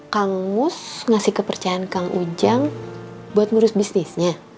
kamu ngasih kepercayaan kang ujang buat merusak bisnisnya